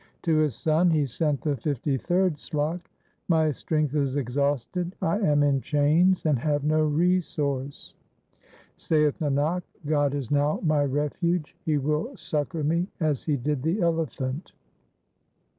To his son he sent the fifty third slok :— My strength is exhausted, I am in chains, and have no resource. LIFE OF GURU TEG BAHADUR 385 Saith Nanak, God is now my refuge ; He will succour me as He did the elephant.